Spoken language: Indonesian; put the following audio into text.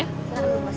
salam pak bos